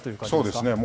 そうですね。